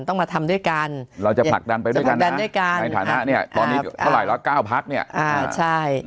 ต้องมาทำด้วยกันเราจะผลักดันผลักดันในการพร้อมนี้เท่าไหร่หรอ๒๙๙บเนี่ย